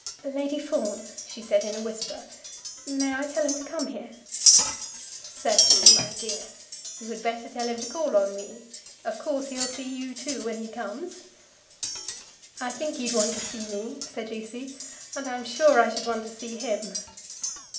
"Lady Fawn," she said in a whisper, "may I tell him to come here?" "Certainly, my dear. You had better tell him to call on me. Of course he'll see you, too, when he comes." "I think he'd want to see me," said Lucy, "and I'm sure I should want to see him!"